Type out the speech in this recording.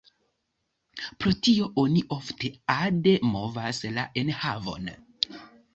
Pro tio oni ofte ade movas la enhavon.